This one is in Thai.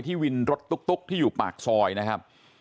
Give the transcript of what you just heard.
ที่อยู่ปากซอยนะครับ